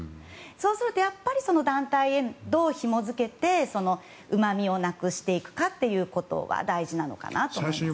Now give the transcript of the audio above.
そうすると、やっぱり団体をどう紐付けてうまみをなくしていくかということは大事なのかなと思います。